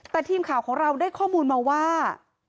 แต่ทีมข่าวของเราได้ข้อมูลมาว่า